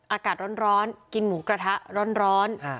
อากาศร้อนกินหมูกระทะร้อน